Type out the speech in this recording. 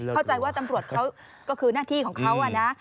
เข้าใจว่าตำรวจเขาก็คือหน้าที่ของเขานะ